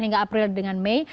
hingga april dengan mei